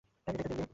এটাই তো দিল্লি।